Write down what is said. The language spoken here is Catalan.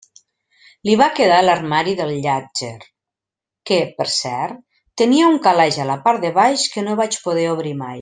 Li va quedar l'armari del Llàtzer, que, per cert, tenia un calaix a la part de baix que no vaig poder obrir mai.